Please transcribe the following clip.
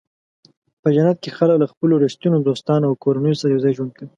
په جنت کې خلک له خپلو رښتینو دوستانو او کورنیو سره یوځای ژوند کوي.